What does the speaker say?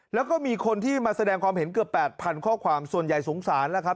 แล้วก็มีคนที่มาแสดงความเห็นเกือบ๘๐๐ข้อความส่วนใหญ่สงสารแล้วครับ